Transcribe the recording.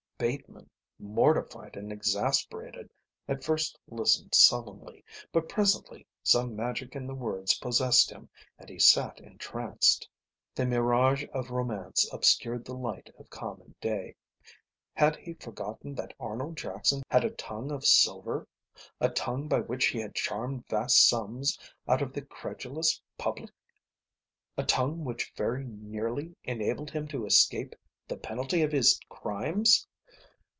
Bateman, mortified and exasperated, at first listened sullenly, but presently some magic in the words possessed him and he sat entranced. The mirage of romance obscured the light of common day. Had he forgotten that Arnold Jackson had a tongue of silver, a tongue by which he had charmed vast sums out of the credulous public, a tongue which very nearly enabled him to escape the penalty of his crimes?